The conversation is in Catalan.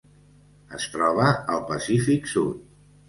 Es troba al Pacífic sud.